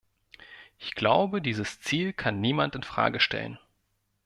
Ich glaube, dieses Ziel kann niemand infrage stellen.